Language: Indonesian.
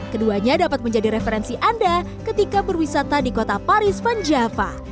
keduanya dapat menjadi referensi anda ketika berwisata di kota paris van java